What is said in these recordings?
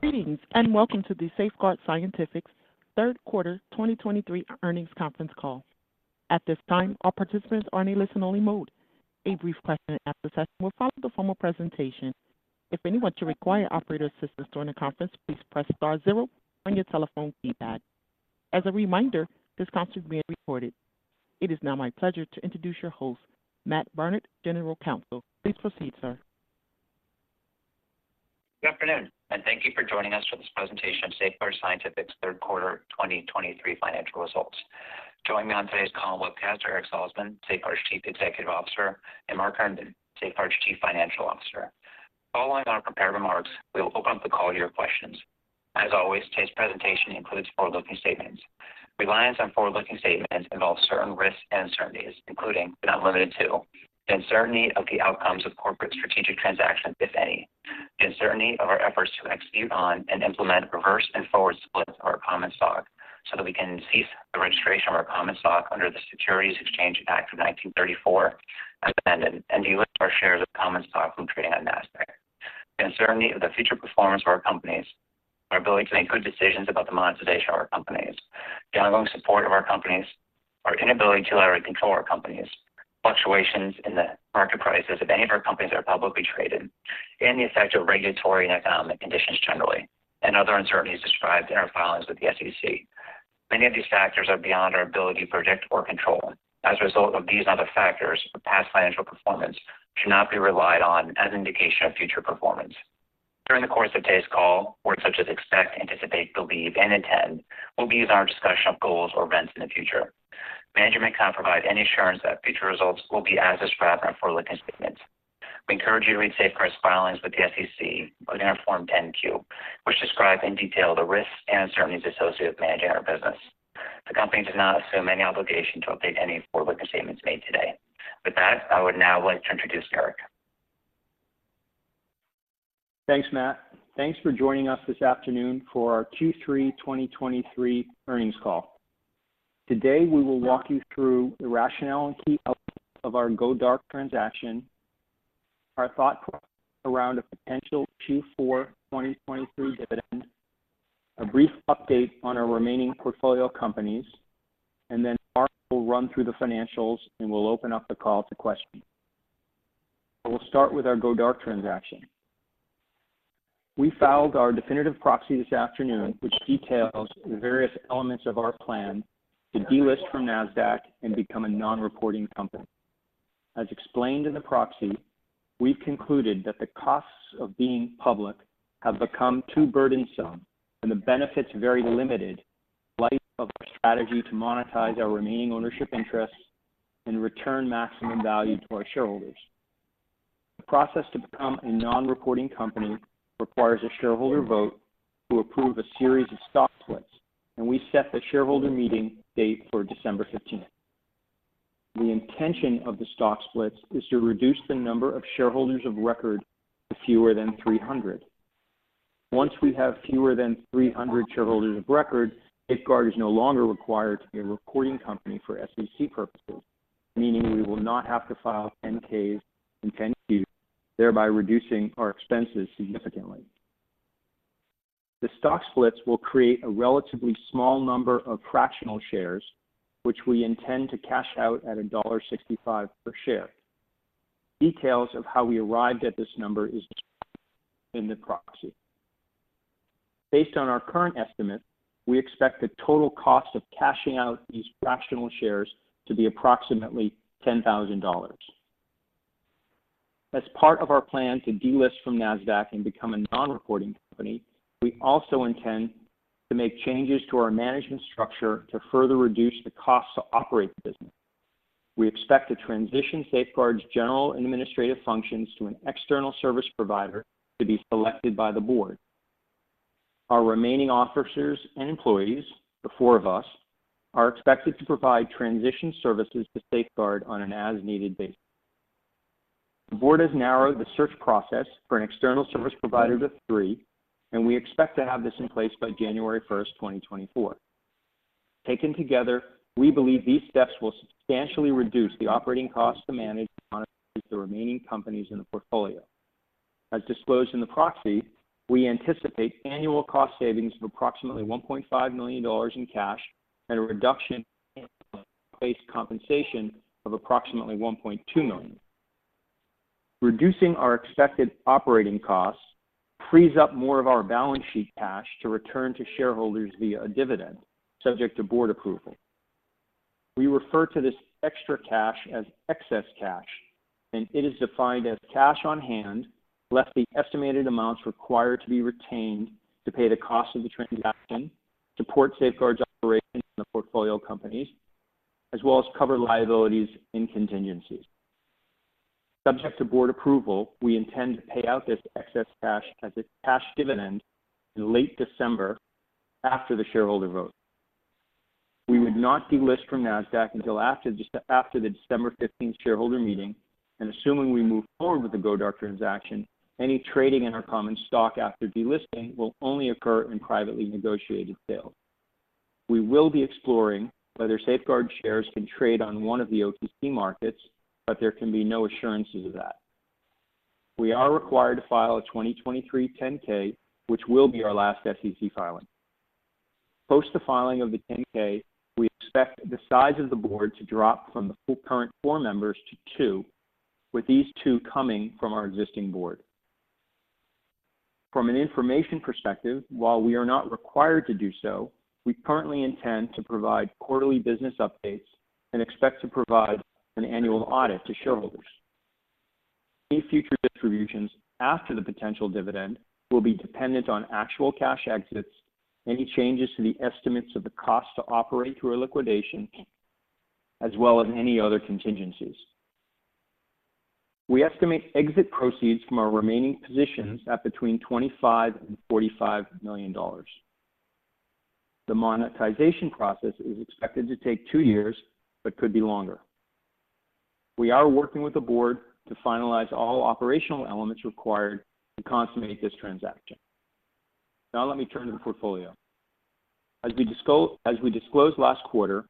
Greetings, and welcome to the Safeguard Scientifics' third quarter 2023 earnings conference call. At this time, all participants are in a listen-only mode. A brief question and answer session will follow the formal presentation. If anyone should require operator assistance during the conference, please press star zero on your telephone keypad. As a reminder, this conference is being recorded. It is now my pleasure to introduce your host, Matt Barnard, General Counsel. Please proceed, sir. Good afternoon, and thank you for joining us for this presentation of Safeguard Scientifics' third quarter 2023 financial results. Joining me on today's call and webcast are Eric Salzman, Safeguard's Chief Executive Officer, and Mark Herndon, Safeguard's Chief Financial Officer. Following our prepared remarks, we will open up the call to your questions. As always, today's presentation includes forward-looking statements. Reliance on forward-looking statements involves certain risks and uncertainties, including, but not limited to, the uncertainty of the outcomes of corporate strategic transactions, if any, the uncertainty of our efforts to execute on and implement reverse and forward splits of our common stock so that we can cease the registration of our common stock under the Securities Exchange Act of 1934 and delist our shares of common stock from trading on Nasdaq. The uncertainty of the future performance of our companies, our ability to make good decisions about the monetization of our companies, the ongoing support of our companies, our inability to leverage control our companies, fluctuations in the market prices of any of our companies that are publicly traded, and the effect of regulatory and economic conditions generally, and other uncertainties described in our filings with the SEC. Many of these factors are beyond our ability to predict or control. As a result of these and other factors, past financial performance should not be relied on as an indication of future performance. During the course of today's call, words such as expect, anticipate, believe, and intend will be used in our discussion of goals or events in the future. Management can't provide any assurance that future results will be as described in our forward-looking statements. We encourage you to read Safeguard's filings with the SEC, within our Form 10-Q, which describe in detail the risks and uncertainties associated with managing our business. The company does not assume any obligation to update any forward-looking statements made today. With that, I would now like to introduce Eric. Thanks, Matt. Thanks for joining us this afternoon for our Q3 2023 earnings call. Today, we will walk you through the rationale and key elements of our go-dark transaction, our thought process around a potential Q4 2023 dividend, a brief update on our remaining portfolio companies, and then Mark will run through the financials, and we'll open up the call to questions. I will start with our go-dark transaction. We filed our definitive proxy this afternoon, which details the various elements of our plan to delist from Nasdaq and become a non-reporting company. As explained in the proxy, we've concluded that the costs of being public have become too burdensome and the benefits very limited in light of our strategy to monetize our remaining ownership interests and return maximum value to our shareholders. The process to become a non-reporting company requires a shareholder vote to approve a series of stock splits, and we set the shareholder meeting date for December fifteenth. The intention of the stock splits is to reduce the number of shareholders of record to fewer than 300. Once we have fewer than 300 shareholders of record, Safeguard is no longer required to be a reporting company for SEC purposes, meaning we will not have to file 8-Ks and 10-Q, thereby reducing our expenses significantly. The stock splits will create a relatively small number of fractional shares, which we intend to cash out at $1.65 per share. Details of how we arrived at this number is in the proxy. Based on our current estimate, we expect the total cost of cashing out these fractional shares to be approximately $10,000. As part of our plan to delist from Nasdaq and become a non-reporting company, we also intend to make changes to our management structure to further reduce the costs to operate the business. We expect to transition Safeguard's general and administrative functions to an external service provider to be selected by the board. Our remaining officers and employees, the four of us, are expected to provide transition services to Safeguard on an as-needed basis. The board has narrowed the search process for an external service provider to three, and we expect to have this in place by January 1st, 2024. Taken together, we believe these steps will substantially reduce the operating costs to manage the remaining companies in the portfolio. As disclosed in the proxy, we anticipate annual cost savings of approximately $1.5 million in cash and a reduction in place compensation of approximately $1.2 million. Reducing our expected operating costs frees up more of our balance sheet cash to return to shareholders via a dividend, subject to board approval. We refer to this extra cash as excess cash, and it is defined as cash on hand, less the estimated amounts required to be retained to pay the cost of the transaction, support Safeguard's operations in the portfolio companies, as well as cover liabilities and contingencies. Subject to board approval, we intend to pay out this excess cash as a cash dividend in late December, after the shareholder vote. We would not delist from Nasdaq until after the December fifteenth shareholder meeting, and assuming we move forward with the go dark transaction, any trading in our common stock after delisting will only occur in privately negotiated sales. We will be exploring whether Safeguard shares can trade on one of the OTC Markets, but there can be no assurances of that. We are required to file a 2023 10-K, which will be our last SEC filing. Post the filing of the 10-K, we expect the size of the board to drop from the full current four members to two, with these two coming from our existing board. From an information perspective, while we are not required to do so, we currently intend to provide quarterly business updates and expect to provide an annual audit to shareholders. Any future distributions after the potential dividend will be dependent on actual cash exits, any changes to the estimates of the cost to operate through a liquidation, as well as any other contingencies. We estimate exit proceeds from our remaining positions at between $25 million and $45 million. The monetization process is expected to take two years, but could be longer. We are working with the board to finalize all operational elements required to consummate this transaction. Now let me turn to the portfolio. As we disclosed last quarter,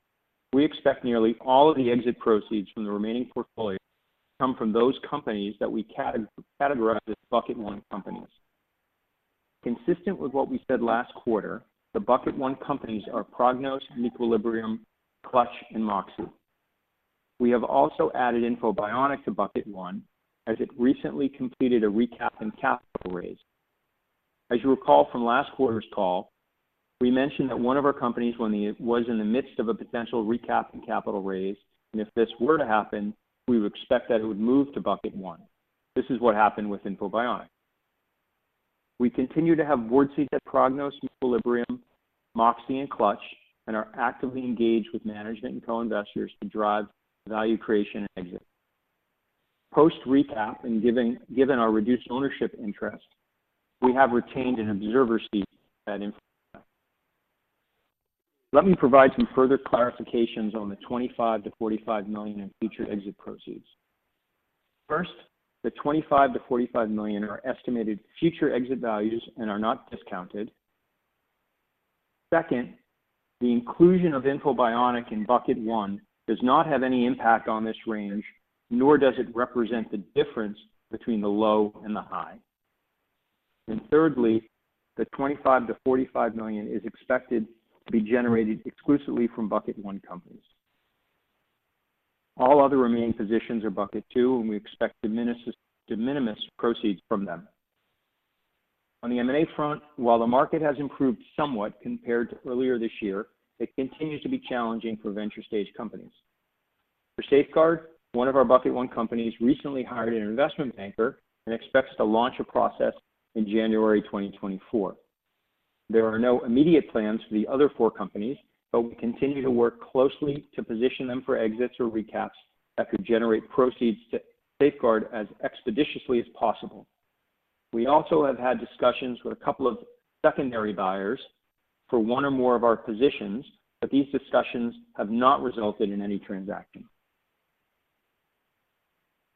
we expect nearly all of the exit proceeds from the remaining portfolio to come from those companies that we categorize as Bucket one companies. Consistent with what we said last quarter, the Bucket one companies are Prognos, meQuilibrium, Clutch, and Moxe. We have also added InfoBionic to Bucket one, as it recently completed a recap and capital raise. As you recall from last quarter's call, we mentioned that one of our companies, when it was in the midst of a potential recap and capital raise, and if this were to happen, we would expect that it would move to Bucket one. This is what happened with InfoBionic. We continue to have board seats at Prognos, Equilibrium, Moxe, and Clutch, and are actively engaged with management and co-investors to drive value creation and exit. Post recap and given our reduced ownership interest, we have retained an observer seat at InfoBionic. Let me provide some further clarifications on the $25 million-$45 million in future exit proceeds. First, the $25 million-$45 million are estimated future exit values and are not discounted. Second, the inclusion of InfoBionic in Bucket one does not have any impact on this range, nor does it represent the difference between the low and the high. And thirdly, the $25 million-$45 million is expected to be generated exclusively from Bucket one companies. All other remaining positions are Bucket two, and we expect de minimis proceeds from them. On the M&A front, while the market has improved somewhat compared to earlier this year, it continues to be challenging for venture-stage companies. For Safeguard, one of our Bucket one companies recently hired an investment banker and expects to launch a process in January 2024. There are no immediate plans for the other four companies, but we continue to work closely to position them for exits or recaps that could generate proceeds to Safeguard as expeditiously as possible. We also have had discussions with a couple of secondary buyers for one or more of our positions, but these discussions have not resulted in any transacting.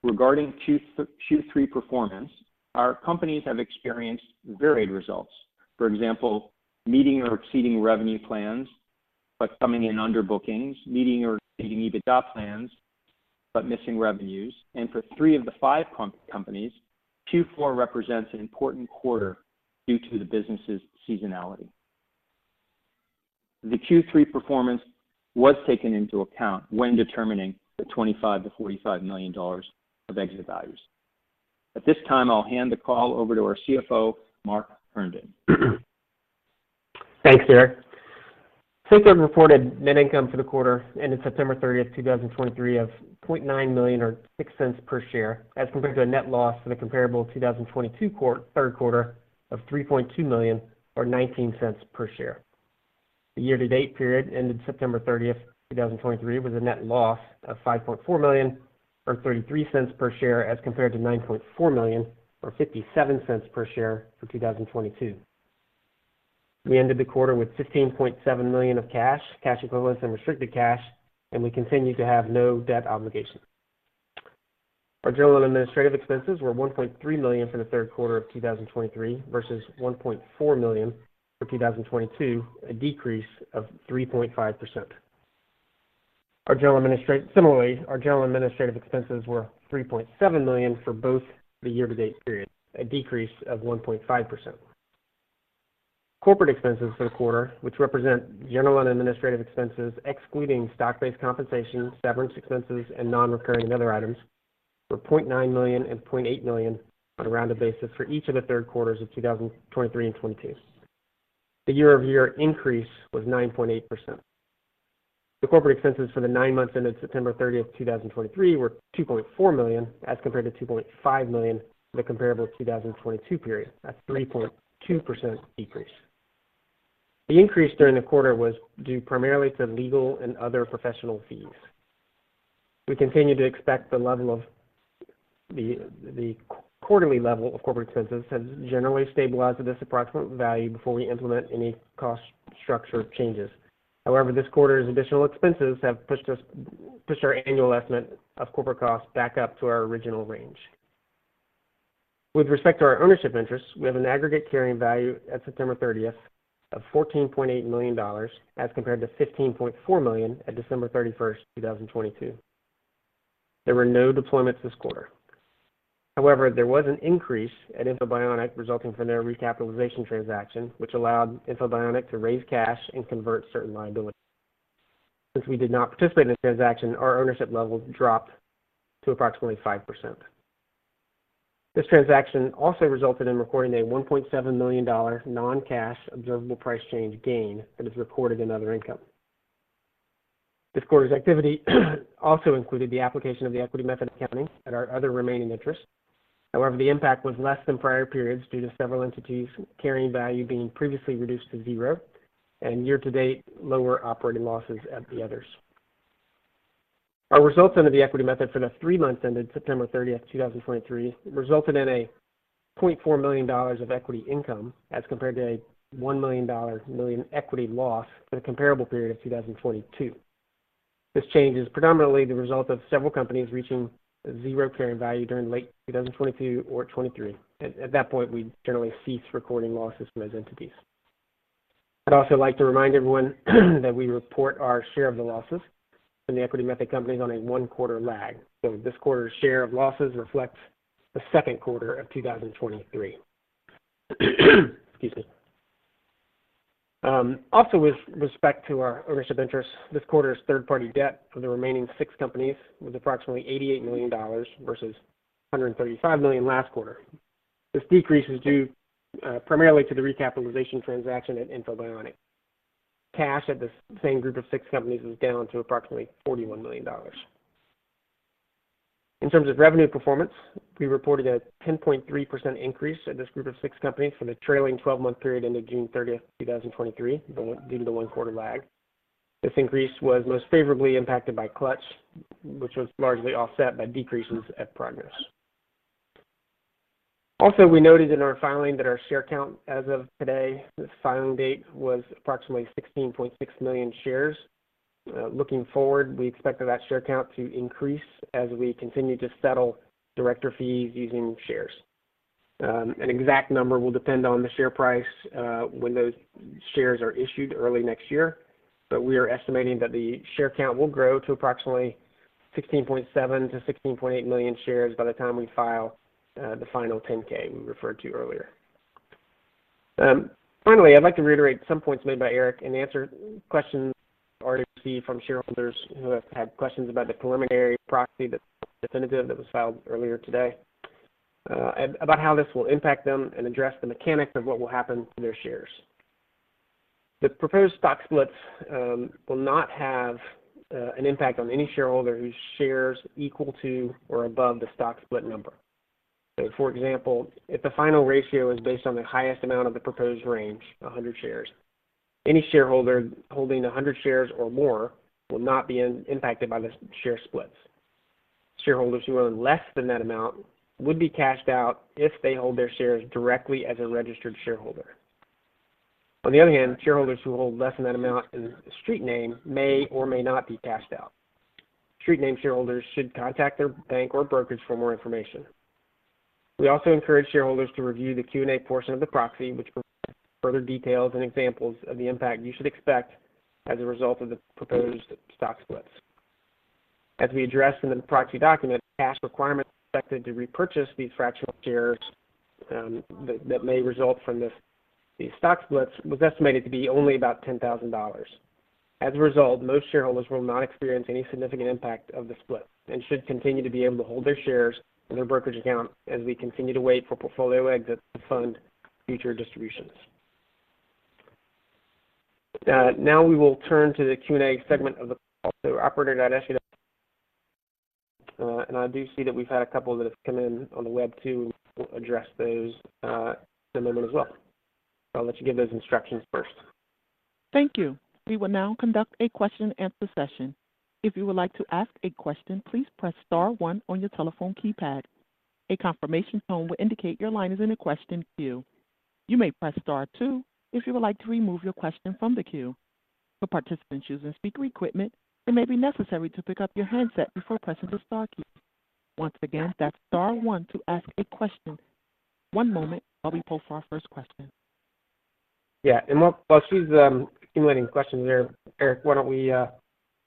Regarding Q3, Q3 performance, our companies have experienced varied results. For example, meeting or exceeding revenue plans, but coming in under bookings, meeting or exceeding EBITDA plans, but missing revenues. And for three of the five comp, companies, Q4 represents an important quarter due to the business's seasonality. The Q3 performance was taken into account when determining the $25 million-$45 million of exit values. At this time, I'll hand the call over to our CFO, Mark Herndon. Thanks, Eric. Safeguard reported net income for the quarter ending September 30th, 2023, of $0.9 million, or $0.06 per share, as compared to a net loss for the comparable 2022 third quarter of $3.2 million, or $0.19 per share. The year-to-date period ended September 30th, 2023, was a net loss of $5.4 million, or $0.33 per share, as compared to $9.4 million, or $0.57 per share for 2022. We ended the quarter with $15.7 million of cash, cash equivalents, and restricted cash, and we continue to have no debt obligations. Our general and administrative expenses were $1.3 million for the third quarter of 2023 versus $1.4 million for 2022, a decrease of 3.5%. Similarly, our general administrative expenses were $3.7 million for both the year-to-date period, a decrease of 1.5%. Corporate expenses for the quarter, which represent general and administrative expenses excluding stock-based compensation, severance expenses, and non-recurring and other items, were $0.9 million and $0.8 million on a rounded basis for each of the third quarters of 2023 and 2022. The year-over-year increase was 9.8%. The corporate expenses for the nine months ended September 30th, 2023, were $2.4 million, as compared to $2.5 million for the comparable 2022 period. That's a 3.2% decrease. The increase during the quarter was due primarily to legal and other professional fees. We continue to expect the level of the quarterly level of corporate expenses has generally stabilized at this approximate value before we implement any cost structure changes. However, this quarter's additional expenses have pushed our annual estimate of corporate costs back up to our original range... With respect to our ownership interests, we have an aggregate carrying value at September 30th of $14.8 million, as compared to $15.4 million at December 31st, 2022. There were no deployments this quarter. However, there was an increase at InfoBionic resulting from their recapitalization transaction, which allowed InfoBionic to raise cash and convert certain liabilities. Since we did not participate in the transaction, our ownership level dropped to approximately 5%. This transaction also resulted in recording a $1.7 million non-cash observable price change gain that is recorded in other income. This quarter's activity also included the application of the equity method accounting at our other remaining interests. However, the impact was less than prior periods due to several entities' carrying value being previously reduced to zero and year-to-date lower operating losses at the others. Our results under the equity method for the three months ended September 30th, 2023, resulted in a $0.4 million of equity income, as compared to a $1 million equity loss for the comparable period of 2022. This change is predominantly the result of several companies reaching zero carrying value during late 2022 or 2023. At that point, we generally cease recording losses from those entities. I'd also like to remind everyone that we report our share of the losses in the equity method companies on a one-quarter lag. So this quarter's share of losses reflects the second quarter of 2023. Excuse me. Also with respect to our ownership interest, this quarter's third-party debt for the remaining six companies was approximately $88 million versus $135 million last quarter. This decrease is due primarily to the recapitalization transaction at InfoBionic. Cash at the same group of six companies is down to approximately $41 million. In terms of revenue performance, we reported a 10.3% increase in this group of six companies for the trailing twelve-month period ending June 30th, 2023, but due to the one quarter lag. This increase was most favorably impacted by Clutch, which was largely offset by decreases at Progress. Also, we noted in our filing that our share count as of today, the filing date, was approximately $16.6 million shares. Looking forward, we expect that share count to increase as we continue to settle director fees using shares. An exact number will depend on the share price, when those shares are issued early next year, but we are estimating that the share count will grow to approximately $16.7 million-$16.8 million shares by the time we file, the final 10-K we referred to earlier. Finally, I'd like to reiterate some points made by Eric and answer questions already received from shareholders who have had questions about the preliminary proxy, that definitive that was filed earlier today, and about how this will impact them and address the mechanics of what will happen to their shares. The proposed stock splits will not have an impact on any shareholder whose shares equal to or above the stock split number. So for example, if the final ratio is based on the highest amount of the proposed range, 100 shares, any shareholder holding 100 shares or more will not be impacted by the share splits. Shareholders who own less than that amount would be cashed out if they hold their shares directly as a registered shareholder. On the other hand, shareholders who hold less than that amount in street name may or may not be cashed out. street name shareholders should contact their bank or brokerage for more information. We also encourage shareholders to review the Q&A portion of the proxy, which provides further details and examples of the impact you should expect as a result of the proposed stock splits. As we addressed in the proxy document, cash requirements expected to repurchase these fractional shares that may result from this, these stock splits, was estimated to be only about $10,000. As a result, most shareholders will not experience any significant impact of the split and should continue to be able to hold their shares in their brokerage account as we continue to wait for portfolio exits to fund future distributions. Now we will turn to the Q&A segment of the call. Operator, I'd ask you to... I do see that we've had a couple that have come in on the web, too. We'll address those in a moment as well. I'll let you give those instructions first. Thank you. We will now conduct a question and answer session. If you would like to ask a question, please press star one on your telephone keypad. A confirmation tone will indicate your line is in the question queue. You may press star two if you would like to remove your question from the queue. For participants using speaker equipment, it may be necessary to pick up your handset before pressing the star key. Once again, that's star one to ask a question. One moment while we pull for our first question. Yeah, and while she's accumulating questions there, Eric, why don't we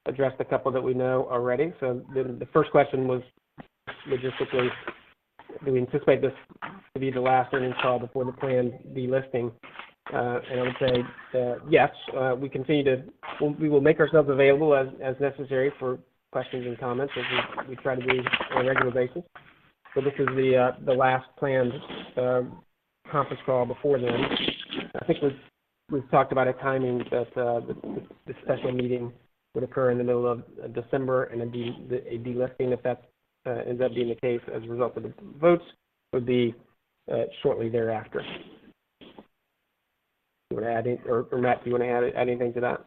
address the couple that we know already? So the first question was logistically, do we anticipate this to be the last earnings call before the planned delisting? And I would say that, yes, we continue to. We will make ourselves available as necessary for questions and comments, as we try to do on a regular basis. So this is the last planned conference call before then. I think we've talked about a timing that the special meeting would occur in the middle of December, and then the delisting, if that ends up being the case as a result of the votes, would be shortly thereafter. Matt, do you want to add anything to that?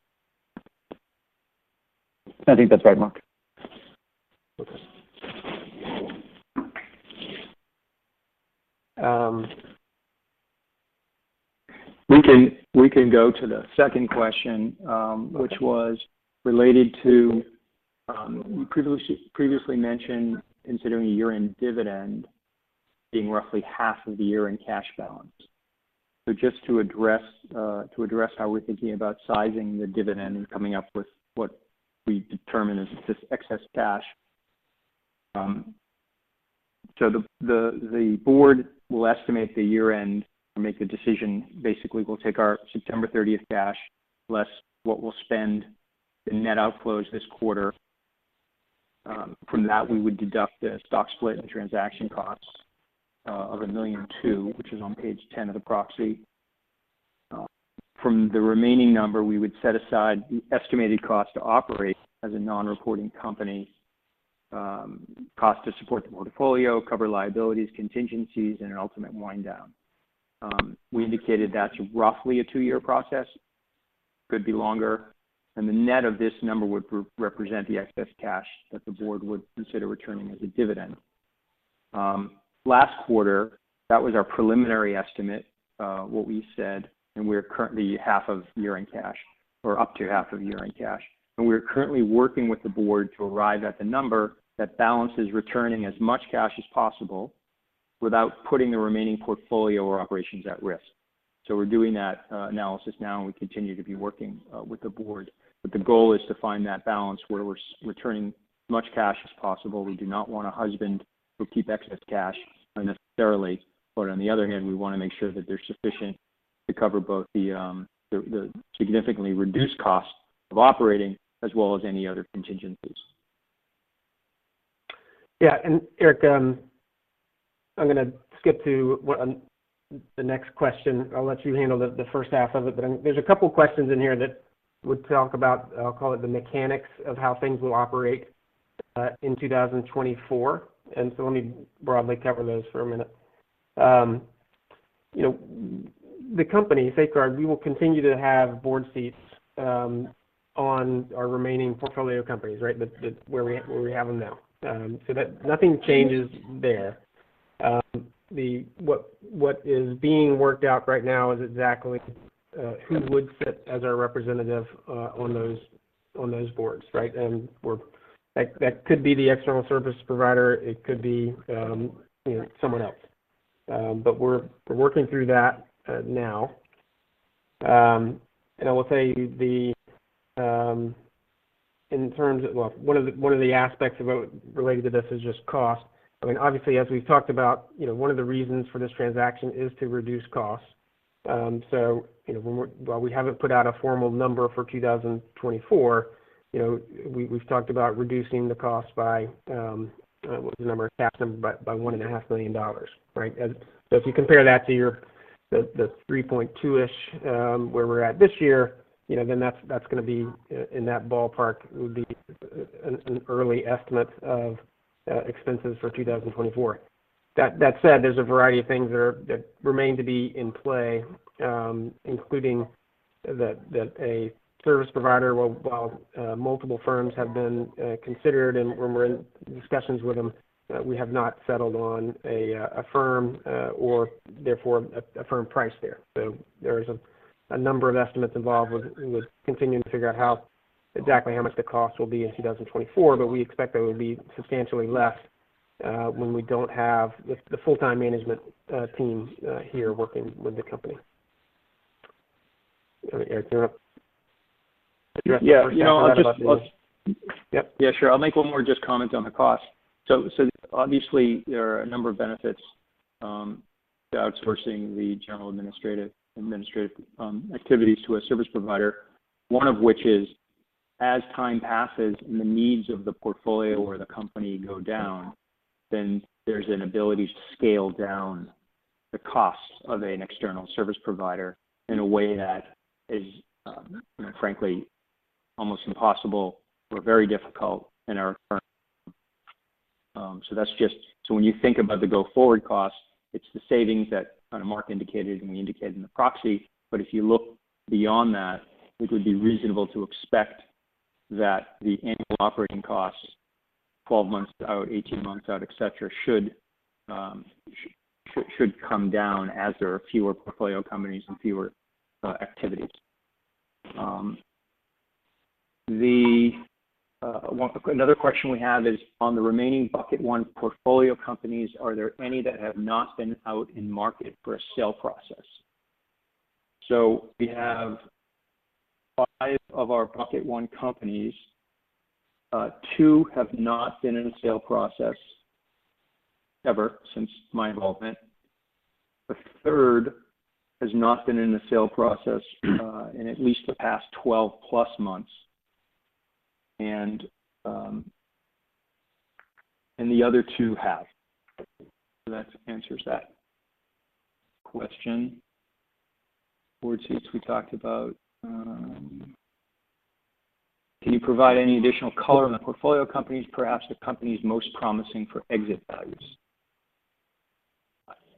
I think that's right, Mark. Okay. Um- We can go to the second question, which was related to we previously mentioned considering a year-end dividend being roughly half of the year-end cash balance. So just to address how we're thinking about sizing the dividend and coming up with what we determine is this excess cash. So the board will estimate the year-end and make the decision. Basically, we'll take our September thirtieth cash, less what we'll spend the net outflows this quarter. From that, we would deduct the stock split and transaction costs of $1.2 million, which is on page 10 of the proxy. From the remaining number, we would set aside the estimated cost to operate as a non-reporting company, cost to support the portfolio, cover liabilities, contingencies, and an ultimate wind down. We indicated that's roughly a two-year process, could be longer, and the net of this number would represent the excess cash that the board would consider returning as a dividend. Last quarter, that was our preliminary estimate, what we said, and we're currently half of year-end cash or up to half of year-end cash. We're currently working with the board to arrive at the number that balances returning as much cash as possible, without putting the remaining portfolio or operations at risk. So we're doing that analysis now, and we continue to be working with the board. But the goal is to find that balance where we're returning as much cash as possible. We do not want to husband or keep excess cash unnecessarily, but on the other hand, we wanna make sure that there's sufficient to cover both the significantly reduced cost of operating as well as any other contingencies. Yeah, and Eric, I'm gonna skip to what, the next question. I'll let you handle the first half of it, but there's a couple questions in here that would talk about, I'll call it, the mechanics of how things will operate, in 2024. And so let me broadly cover those for a minute. You know, the company, Safeguard, we will continue to have board seats, on our remaining portfolio companies, right? The where we have them now. So that nothing changes there. What is being worked out right now is exactly, who would fit as our representative, on those boards, right? And we're-- That could be the external service provider, it could be, you know, someone else. But we're working through that, now. And I will say the, in terms of... Well, one of the, one of the aspects about related to this is just cost. I mean, obviously, as we've talked about, you know, one of the reasons for this transaction is to reduce costs. So you know, when we're while we haven't put out a formal number for 2024, you know, we, we've talked about reducing the cost by, what was the number? Half by, by $1.5 million, right? And so if you compare that to your, the $3.2-ish, where we're at this year, you know, then that's, that's gonna be in that ballpark, would be an early estimate of expenses for 2024. That said, there's a variety of things that remain to be in play, including that a service provider, while multiple firms have been considered and we're in discussions with them, we have not settled on a firm or therefore a firm price there. So there is a number of estimates involved with continuing to figure out how exactly how much the cost will be in 2024, but we expect that it will be substantially less when we don't have the full-time management team here working with the company. Eric, do you wanna address the first half of that question? Yeah. You know, I'll just- Yep. Yeah, sure. I'll make one more just comment on the cost. So obviously there are a number of benefits to outsourcing the general administrative activities to a service provider. One of which is, as time passes and the needs of the portfolio or the company go down, then there's an ability to scale down the costs of an external service provider in a way that is frankly almost impossible or very difficult in our current... So when you think about the go-forward costs, it's the savings that kind of Mark indicated, and we indicated in the proxy. But if you look beyond that, it would be reasonable to expect that the annual operating costs, 12 months out, 18 months out, et cetera, should come down as there are fewer portfolio companies and fewer activities. Another question we have is: On the remaining Bucket One portfolio companies, are there any that have not been out in market for a sale process? So we have five of our Bucket One companies, two have not been in a sale process ever since my involvement. The third has not been in the sale process in at least the past 12+ months, and the other two have. So that answers that question. Board seats we talked about. Can you provide any additional color on the portfolio companies, perhaps the companies most promising for exit values?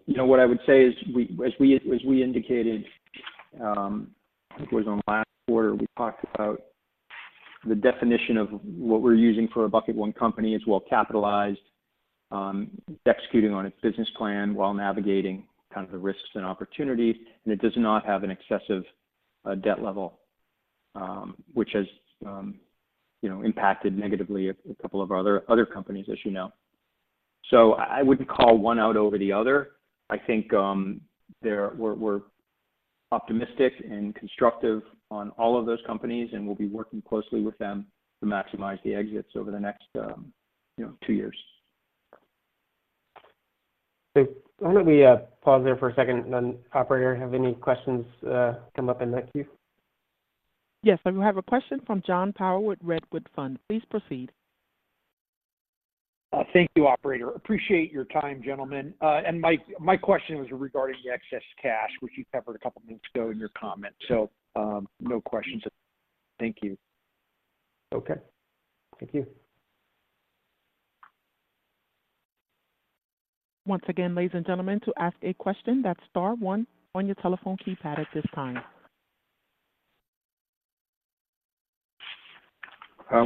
You know, what I would say is, as we indicated, I think it was on last quarter, we talked about the definition of what we're using for a bucket one company is well capitalized, executing on its business plan while navigating kind of the risks and opportunities, and it does not have an excessive debt level, which has, you know, impacted negatively a couple of other companies, as you know. So I wouldn't call one out over the other. I think, we're, we're optimistic and constructive on all of those companies, and we'll be working closely with them to maximize the exits over the next, you know, two years. Okay. Why don't we pause there for a second, and then, Operator, have any questions come up in that queue? Yes, I have a question from John Power with Redwood Fund. Please proceed. Thank you, operator. Appreciate your time, gentlemen. And my question was regarding the excess cash, which you covered a couple of minutes ago in your comments, so no questions. Thank you. Okay. Thank you. Once again, ladies and gentlemen, to ask a question, that's star one on your telephone keypad at this time.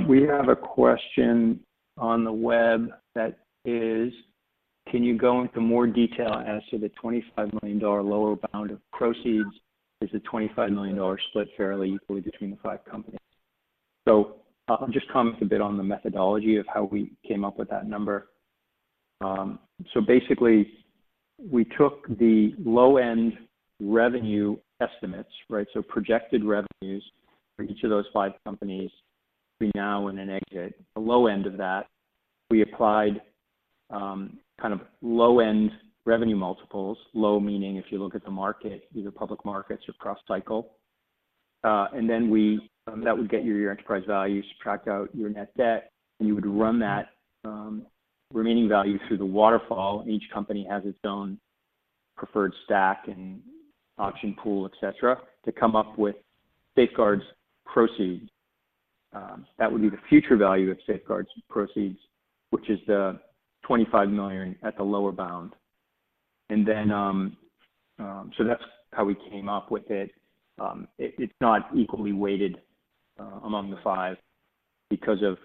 We have a question on the web that is: Can you go into more detail as to the $25 million lower bound of proceeds? Is the $25 million split fairly equally between the five companies? So I'll just comment a bit on the methodology of how we came up with that number. So basically, we took the low-end revenue estimates, right? So projected revenues for each of those five companies between now and an exit. The low end of that, we applied kind of low-end revenue multiples. Low meaning if you look at the market, either public markets or cross cycle, and then that would get you your enterprise value, subtract out your net debt, and you would run that remaining value through the waterfall. Each company has its own preferred stack and option pool, et cetera, to come up with Safeguard's proceeds. That would be the future value of Safeguard's proceeds, which is the $25 million at the lower bound. So that's how we came up with it. It's not equally weighted among the 5 because of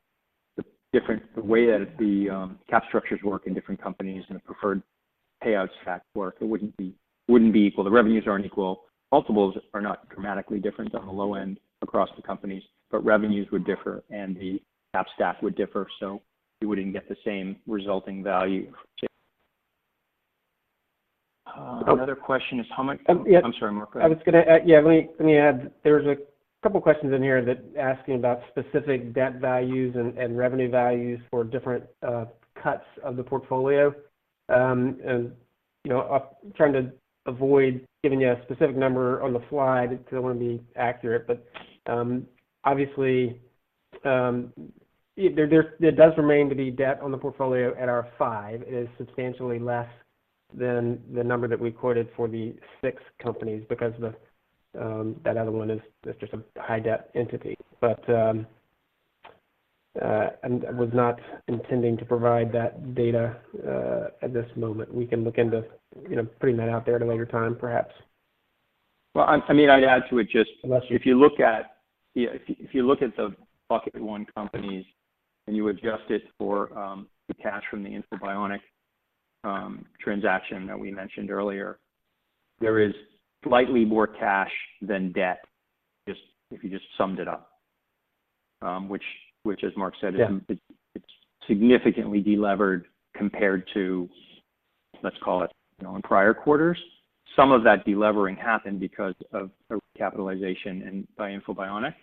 the different way that the cap structures work in different companies and the preferred payout stack work. It wouldn't be equal. The revenues aren't equal. Multiples are not dramatically different on the low end across the companies, but revenues would differ and the cap stack would differ, so you wouldn't get the same resulting value. Another question is how much- Um, yeah. I'm sorry, Mark, go ahead. I was gonna add. Yeah, let me add. There's a couple questions in here that asking about specific debt values and revenue values for different cuts of the portfolio. You know, trying to avoid giving you a specific number on the fly that wouldn't be accurate. But, obviously, it does remain to be debt on the portfolio at our five is substantially less than the number that we quoted for the six companies because that other one is just a high debt entity. And I was not intending to provide that data at this moment. We can look into, you know, putting that out there at a later time, perhaps. Well, I mean, I'd add to it just- Unless you- If you look at, yeah, if you look at the bucket one companies and you adjust it for the cash from the InfoBionic transaction that we mentioned earlier, there is slightly more cash than debt, just if you just summed it up, which, as Mark said- Yeah It's significantly delevered compared to, let's call it, you know, in prior quarters. Some of that delevering happened because of a capitalization in, by InfoBionic,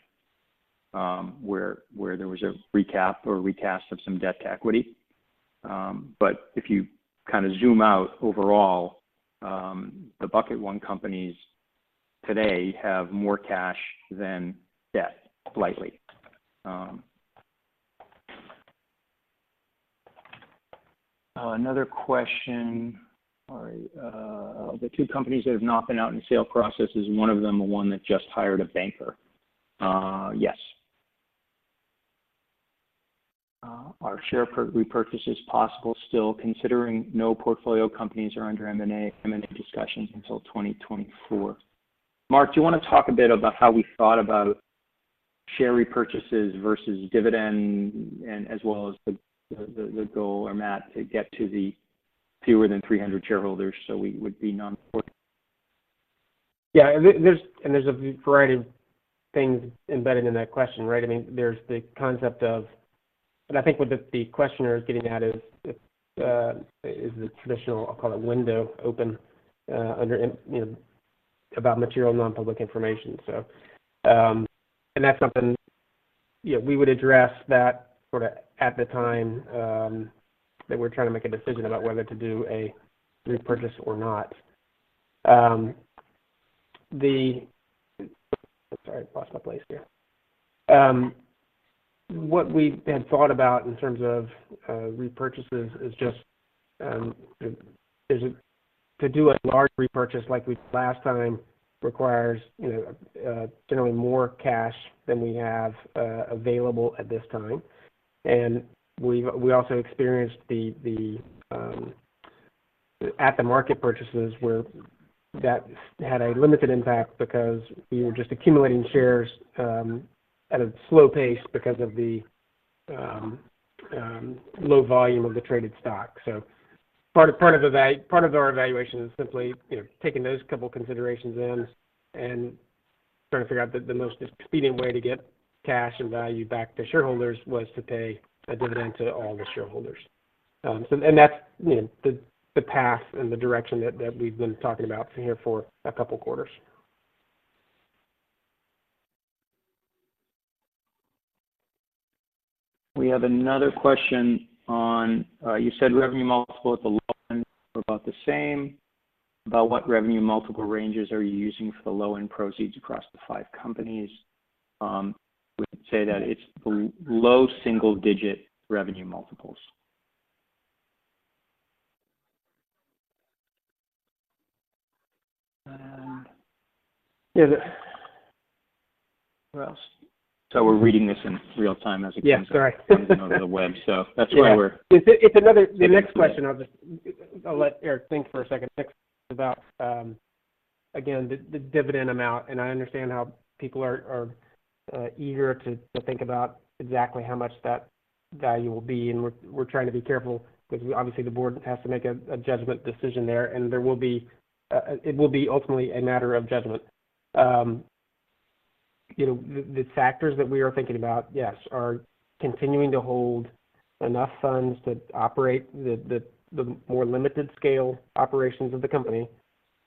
where there was a recap or recast of some debt to equity. But if you kind of zoom out overall, the bucket one companies today have more cash than debt, slightly. Another question. All right. The two companies that have not been out in the sale process, is one of them, the one that just hired a banker? Yes. Are share repurchases possible still, considering no portfolio companies are under M&A, M&A discussions until 2024? Mark, do you want to talk a bit about how we thought about share repurchases versus dividend, and as well as the goal or Matt to get to fewer than 300 shareholders, so we would be non-profit? Yeah. There's a variety of things embedded in that question, right? I mean, there's the concept of... And I think what the questioner is getting at is the traditional, I'll call it, window open under you know about material, non-public information. So, and that's something, yeah, we would address that sort of at the time that we're trying to make a decision about whether to do a repurchase or not. The... Sorry, I lost my place here. What we had thought about in terms of repurchases is just is it-- to do a large repurchase like we did last time requires you know generally more cash than we have available at this time. And we've also experienced the... At-the-market purchases were that had a limited impact because we were just accumulating shares at a slow pace because of the low volume of the traded stock. So part of our evaluation is simply, you know, taking those couple considerations in and trying to figure out the most expedient way to get cash and value back to shareholders was to pay a dividend to all the shareholders. So and that's, you know, the path and the direction that we've been talking about here for a couple quarters. We have another question on, you said revenue multiple at the low end were about the same. About what revenue multiple ranges are you using for the low-end proceeds across the five companies? We say that it's low single digit revenue multiples. And, yeah, what else? We're reading this in real time as it comes- Yeah, sorry. on the web, so that's why we're The next question, I'll just let Eric think for a second about, again, the dividend amount, and I understand how people are eager to think about exactly how much that value will be, and we're trying to be careful because obviously, the board has to make a judgment decision there, and it will be ultimately a matter of judgment. You know, the factors that we are thinking about, yes, are continuing to hold enough funds to operate the more limited scale operations of the company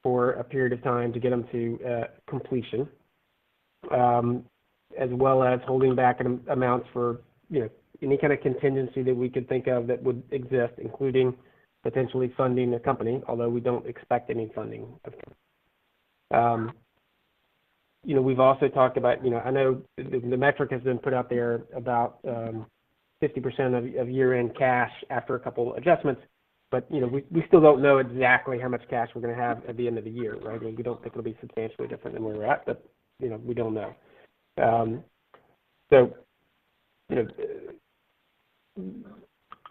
for a period of time to get them to completion, as well as holding back an amount for, you know, any kind of contingency that we could think of that would exist, including potentially funding the company, although we don't expect any funding of them. You know, we've also talked about, you know, I know the metric has been put out there about 50% of year-end cash after a couple adjustments, but, you know, we still don't know exactly how much cash we're gonna have at the end of the year, right? We don't think it'll be substantially different than where we're at, but, you know, we don't know. So, you know,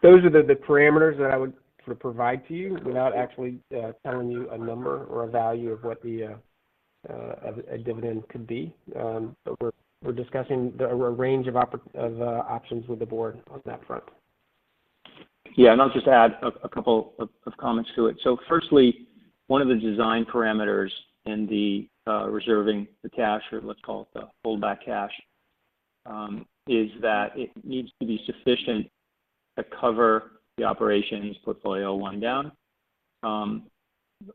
those are the parameters that I would sort of provide to you without actually telling you a number or a value of what a dividend could be. But we're discussing a range of options with the board on that front. Yeah, and I'll just add a couple of comments to it. So firstly, one of the design parameters in the reserving the cash, or let's call it the holdback cash, is that it needs to be sufficient to cover the operations portfolio wind down,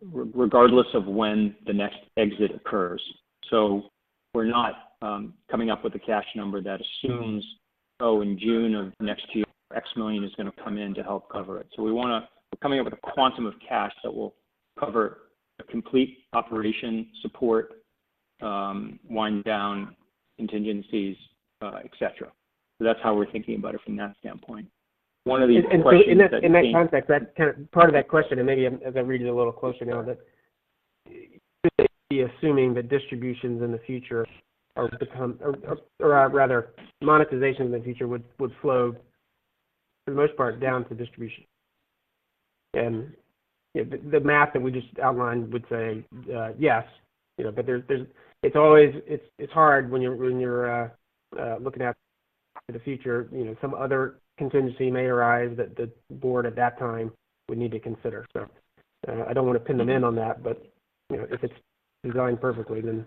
regardless of when the next exit occurs. So we're not coming up with a cash number that assumes, oh, in June of next year, X million is gonna come in to help cover it. So we wanna—we're coming up with a quantum of cash that will cover a complete operation support wind down contingencies, et cetera. So that's how we're thinking about it from that standpoint. One of the questions that we- In that context, that kind of part of that question, and maybe as I read it a little closer now, that assuming the distributions in the future are become, or, or rather, monetization in the future would flow, for the most part, down to distribution. You know, the math that we just outlined would say yes, you know, but there's it's always it's hard when you're looking at the future, you know, some other contingency may arise that the board at that time would need to consider. So I don't want to pin them in on that, but, you know, if it's designed perfectly, then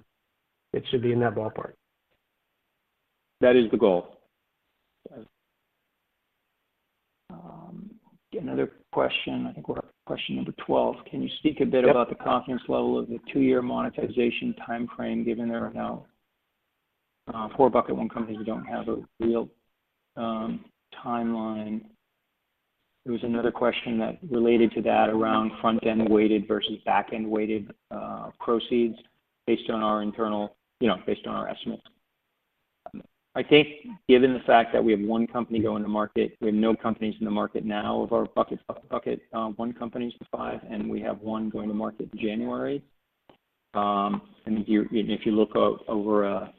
it should be in that ballpark. That is the goal. Get another question. I think we're on question number 12: Can you speak a bit about the confidence level of the two-year monetization time frame, given there are now four Bucket one companies who don't have a real timeline? There was another question that related to that around front-end weighted versus back-end weighted proceeds based on our internal, you know, based on our estimates. I think given the fact that we have one company going to market, we have no companies in the market now of our Bucket one companies to five, and we have one going to market in January. And if you, if you look over a,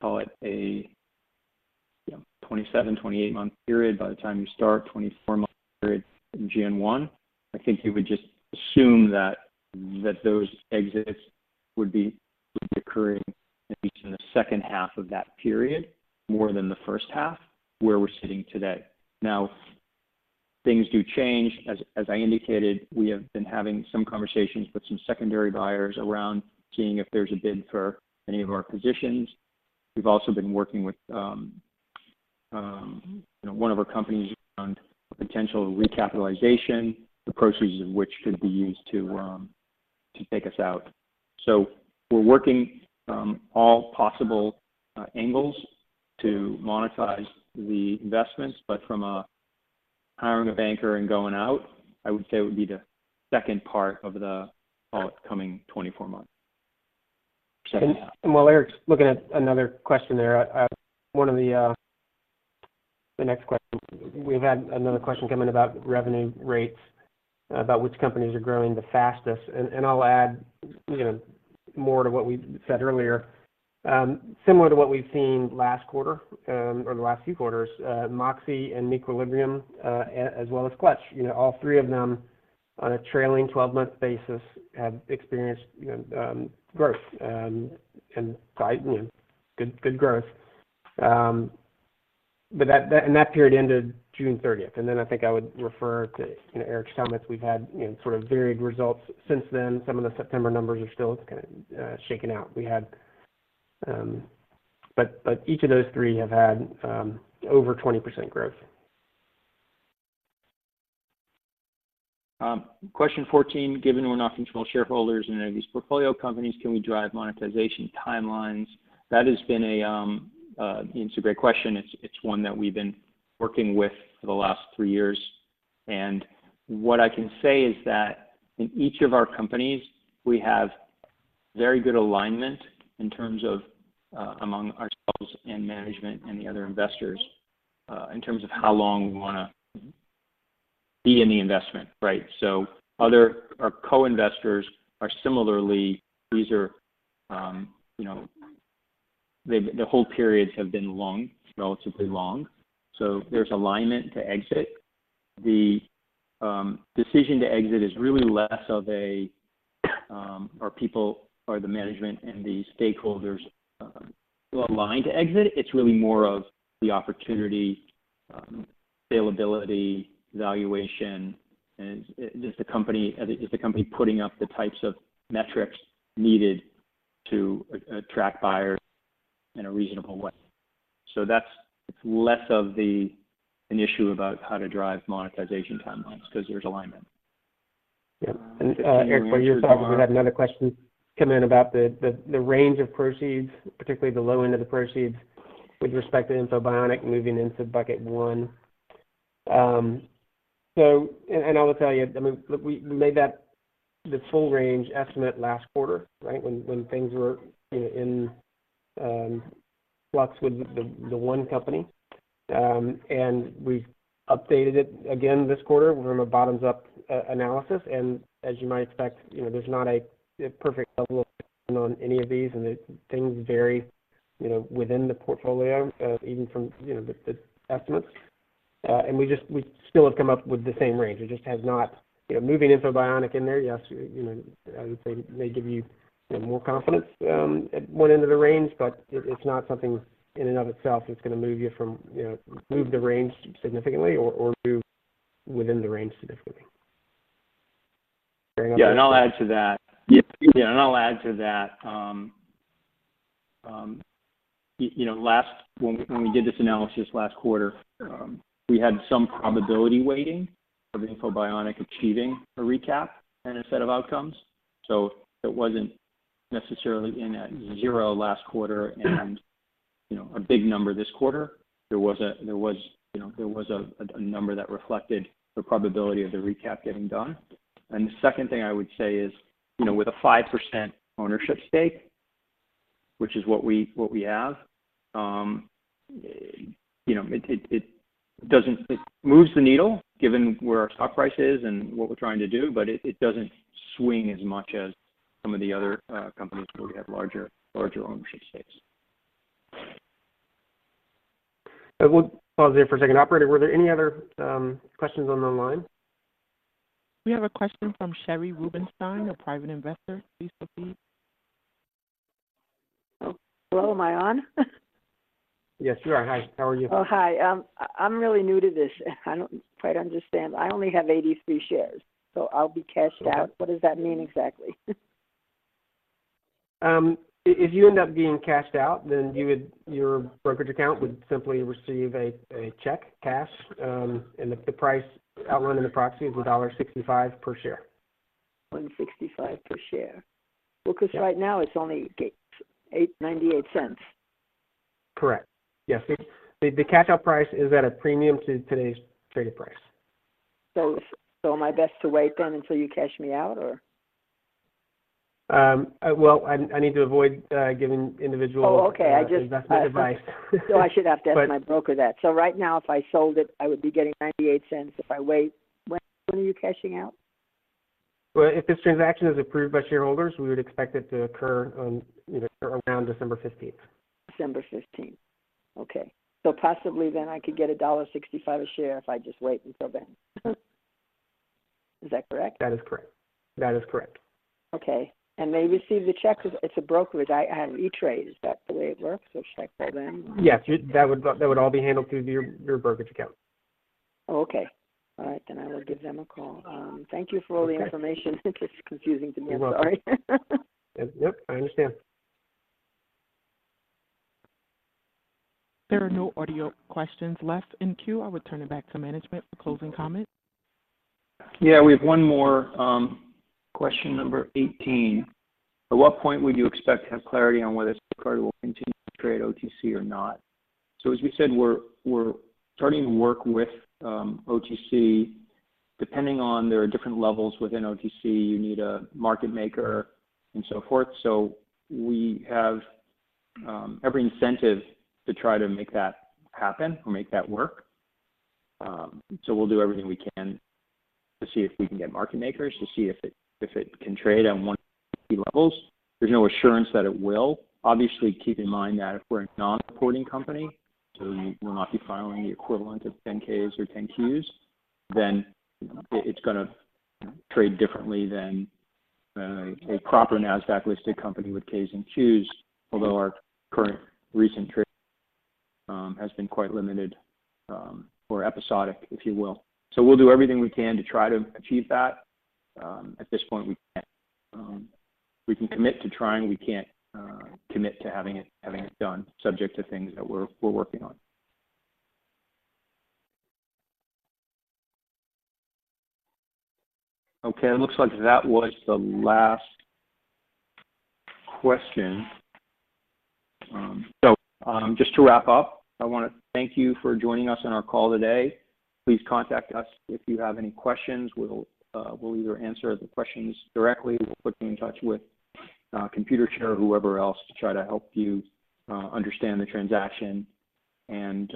call it a, you know, 27-28-month period, by the time you start a 24-month period in January 1, I think you would just assume that those exits would be occurring in the second half of that period, more than the first half, where we're sitting today. Now, things do change. As I indicated, we have been having some conversations with some secondary buyers around seeing if there's a bid for any of our positions. We've also been working with, you know, one of our companies on potential recapitalization, the proceeds of which could be used to take us out. So we're working from all possible, angles to monetize the investments, but from a hiring a banker and going out, I would say it would be the second part of the upcoming 24 months. While Eric's looking at another question there, one of the next questions, we've had another question come in about revenue rates, about which companies are growing the fastest. And I'll add, you know, more to what we said earlier. Similar to what we've seen last quarter, or the last few quarters, Moxe and meQuilibrium, as well as Clutch, you know, all three of them on a trailing 12-month basis have experienced, you know, growth, and tight, you know, good, good growth. But that period ended June 30th, and then I think I would refer to, you know, Eric's comments. We've had, you know, sort of varied results since then. Some of the September numbers are still kind of shaken out. We had. But each of those three have had over 20% growth. Question 14: Given we're not control shareholders in any of these portfolio companies, can we drive monetization timelines? That has been a great question. It's one that we've been working with for the last three years. And what I can say is that in each of our companies, we have very good alignment in terms of among ourselves and management and the other investors in terms of how long we wanna be in the investment, right? So our co-investors are similarly. These are, you know, the hold periods have been long, relatively long, so there's alignment to exit. The decision to exit is really less of a: are people or the management and the stakeholders well aligned to exit? It's really more of the opportunity, availability, valuation, and is the company, is the company putting up the types of metrics needed to attract buyers in a reasonable way. So that's less of an issue about how to drive monetization timelines, 'cause there's alignment. Yeah, and, Eric, while you're talking, we had another question come in about the range of proceeds, particularly the low end of the proceeds with respect to InfoBionic moving into bucket one. So, and I will tell you, I mean, look, we made that the full range estimate last quarter, right? When things were, you know, in flux with the one company. And we've updated it again this quarter from a bottoms-up analysis, and as you might expect, you know, there's not a perfect level on any of these, and the things vary, you know, within the portfolio, even from the estimates. And we just, we still have come up with the same range. It just has not... You know, moving InfoBionic in there, yes, you know, I would say may give you, you know, more confidence at one end of the range, but it's not something in and of itself that's gonna move you from, you know, move the range significantly or move within the range significantly. Yeah, and I'll add to that. You know, when we did this analysis last quarter, we had some probability weighting of InfoBionic achieving a recap and a set of outcomes. So it wasn't necessarily in at 0 last quarter and, you know, a big number this quarter. There was, you know, a number that reflected the probability of the recap getting done. And the second thing I would say is, you know, with a 5% ownership stake, which is what we have, you know, it doesn't, it moves the needle given where our stock price is and what we're trying to do, but it doesn't swing as much as some of the other companies where we have larger ownership stakes. I will pause there for a second. Operator, were there any other questions on the line? We have a question from Sherry Rubenstein, a private investor. Please proceed. Oh, hello, am I on? Yes, you are. Hi, how are you? Oh, hi. I'm really new to this. I don't quite understand. I only have 83 shares, so I'll be cashed out. Okay. What does that mean exactly? If you end up being cashed out, then you would, your brokerage account would simply receive a check, cash, and the price outlined in the proxy is $1.65 per share. $1.65 per share. Yeah. Well, 'cause right now it's only $0.98. Correct. Yes. The cash out price is at a premium to today's traded price. So, am I best to wait then until you cash me out, or? Well, I need to avoid giving individual- Oh, okay. I just- -investment advice. I should have to ask my broker that. But- So right now, if I sold it, I would be getting $0.98. If I wait, when, when are you cashing out? Well, if this transaction is approved by shareholders, we would expect it to occur on, you know, around December 15th. December 15th. Okay. So possibly then I could get $1.65 a share if I just wait until then. Is that correct? That is correct. That is correct. Okay. They receive the check, 'cause it's a brokerage. I have E*TRADE. Is that the way it works, or should I call them? Yes, that would, that would all be handled through your, your brokerage account. Oh, okay. All right, then I will give them a call. Okay. Thank you for all the information. It's confusing to me. I'm sorry. You're welcome. Yep, I understand. There are no audio questions left in queue. I will turn it back to management for closing comments. Yeah, we have one more question number 18: At what point would you expect to have clarity on whether this stock will continue to trade OTC or not? So as we said, we're starting to work with OTC. Depending on, there are different levels within OTC, you need a market maker and so forth. So we have every incentive to try to make that happen or make that work. So we'll do everything we can to see if we can get market makers, to see if it can trade on OTC levels. There's no assurance that it will. Obviously, keep in mind that if we're a non-reporting company, so we will not be filing the equivalent of 10-Ks or 10-Qs, then it's gonna trade differently than a proper Nasdaq-listed company with Ks and Qs, although our current recent trade has been quite limited or episodic, if you will. So we'll do everything we can to try to achieve that. At this point, we can't... We can commit to trying, we can't commit to having it done, subject to things that we're working on. Okay, it looks like that was the last question. So, just to wrap up, I wanna thank you for joining us on our call today. Please contact us if you have any questions. We'll, we'll either answer the questions directly, we'll put you in touch with Computershare or whoever else to try to help you understand the transaction and,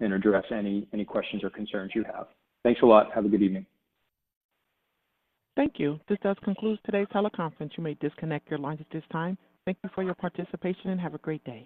and address any, any questions or concerns you have. Thanks a lot. Have a good evening. Thank you. This does conclude today's teleconference. You may disconnect your lines at this time. Thank you for your participation, and have a great day.